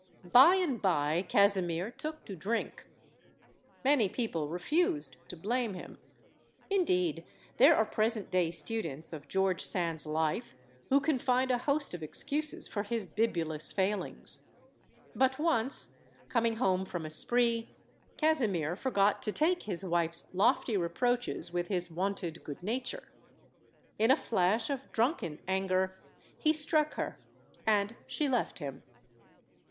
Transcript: By and by, Casimir took to drink. Many people refused to blame him. Indeed, there are present day students of George Sand's life who can find a host of excuses for his bibulous failings. But once, coming home from a spree, Casimir forgot to take his wife's lofty reproaches with his wonted good nature. 160 STORIES OF THE SUPER WOMEN In a flash of drunken anger, he struck her. And she left him.